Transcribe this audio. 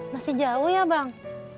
masih jauh ya bang